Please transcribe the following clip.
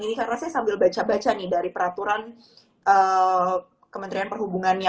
ini karena saya sambil baca baca nih dari peraturan kementerian perhubungannya